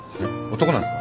男なんすか？